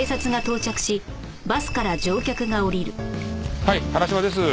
はい花島です。